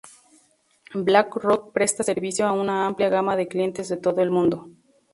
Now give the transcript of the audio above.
BlackRock presta servicio a una amplia gama de clientes de todo el mundo.